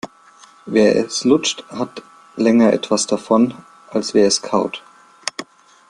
Wer es lutscht, hat länger etwas davon, als wer es kaut.